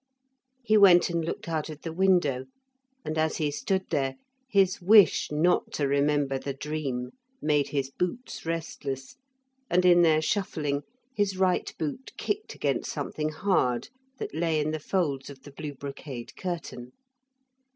He went and looked out of the window, and as he stood there his wish not to remember the dream made his boots restless, and in their shuffling his right boot kicked against something hard that lay in the folds of the blue brocade curtain.